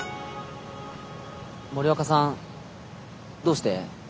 森若さんどうして？